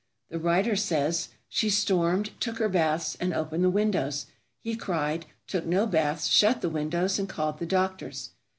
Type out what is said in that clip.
The writer says, "She stormed, took her baths, and opened the windows; he cried, took no baths, shut the windows, and called the doctors."